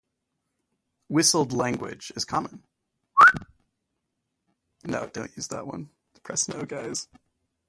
Whistled language is common.